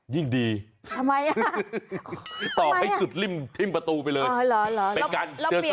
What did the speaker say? ยิ่งดีทำไมตอบให้สุดริ่มทิ้มประตูไปเลย